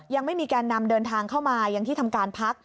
ยังไม่มีแกนนำเดินทางเข้ามายังที่ทำการพัก